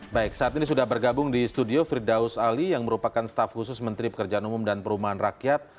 baik saat ini sudah bergabung di studio firdaus ali yang merupakan staf khusus menteri pekerjaan umum dan perumahan rakyat